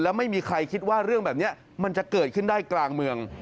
แล้วไม่มีใครคิดว่าเรื่องแบบนี้มันจะเกิดขึ้นได้กลางเมือง